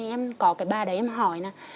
em có cái bà đấy em hỏi nè